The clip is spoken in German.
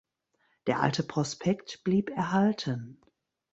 Der alte Prospekt blieb erhalten.